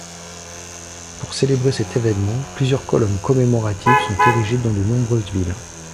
Pour célébrer cet évènement, plusieurs colonnes commémoratives sont érigées dans de nombreuses villes.